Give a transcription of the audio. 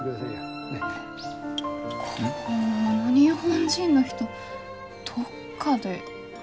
この日本人の人どっかで。